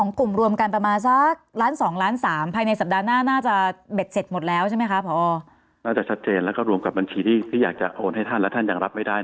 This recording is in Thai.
น่าจะชัดเจนแล้วก็รวมกับบัญชีที่อยากจะโอนให้ท่านและท่านยังรับไม่ได้